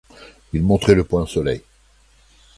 Il montrait le poing au soleil !